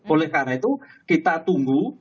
oleh karena itu kita tunggu